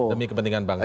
demi kepentingan bangsa